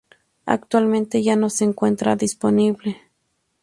Actualmente ya no se encuentra disponible.